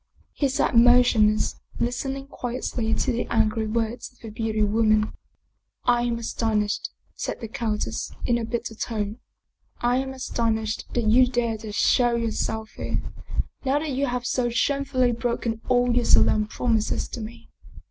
He sat motionless, listening quietly to the angry words of the beautiful woman. " I am astonished," said the countess, in a bitter tone. " I am astonished that you dare to show yourself here, now that you have so shamefully broken all your solemn prom ises to me.